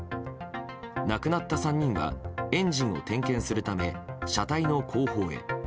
亡くなった３人はエンジンを点検するため車体の後方へ。